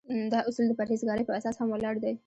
دا اصول د پرهیزګارۍ په اساس هم ولاړ دي.